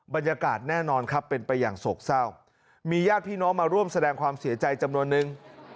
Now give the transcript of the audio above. บรรยากาศแน่นอนครับเป็นไปอย่างโศกเศร้ามีญาติพี่น้องมาร่วมแสดงความเสียใจจำนวนนึง